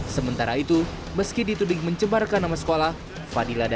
sementara itu meski dituding mencembarkan nama sekolah